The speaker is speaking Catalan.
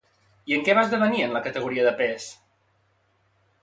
I en què va esdevenir en la categoria de pes?